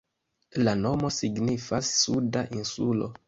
La nomo signifas "Suda insulo".